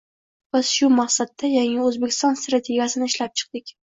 Biz shu maqsadda Yangi O‘zbekiston strategiyasini ishlab chiqdik.